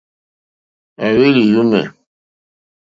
À hwèlì yɔ̀mɛ̀.